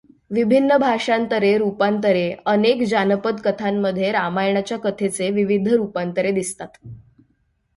विभिन्न भाषांतरे रूपांतरे अनेक जानपद कथांमध्ये रामायणाच्या कथेचे विविध रूपांतरे दिसतात.